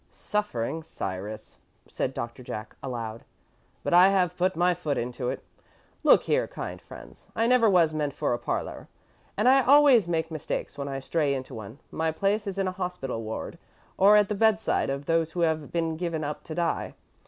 "Suffering Cyrus," said Doctor Jack, aloud, "but I have put my foot into it. Look here, kind friends, I never was meant for a parlour, and I always make mistakes when I stray into one. My place is in a hospital ward or at the bedside of those who have been given up to die.